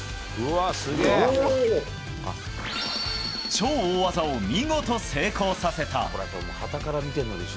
超大技を見事、成功させた。